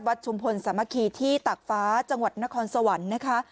ชุมพลสามัคคีที่ตากฟ้าจังหวัดนครสวรรค์นะคะ